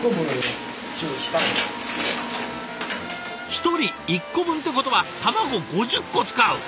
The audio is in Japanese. １人１個分ってことは卵５０個使う！？